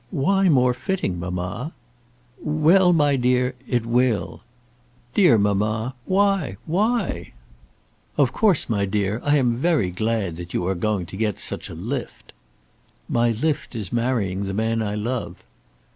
"Why more fitting, mamma?" "Well, my dear; it will." "Dear mamma; why, why?" "Of course, my dear, I am very glad that you are going to get such a lift." "My lift is marrying the man I love."